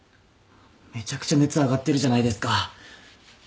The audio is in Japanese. めちゃくちゃ熱上がってるじゃないですか。